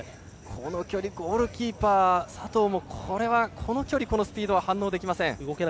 ゴールキーパー佐藤もこの距離、このスピードは反応できません。